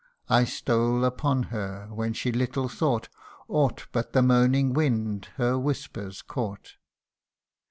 I stole upon her, when she little thought Aught but the moaning wind her whispers caught.